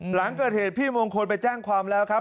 หลังเกิดเหตุพี่มงคลไปแจ้งความแล้วครับ